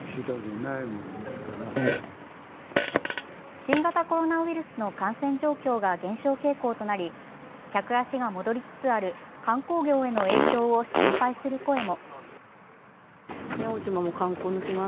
新型コロナウイルスの感染状況が減少傾向となり客足が戻りつつある観光業への影響を心配する声も。